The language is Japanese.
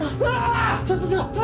ちょっとちょっと！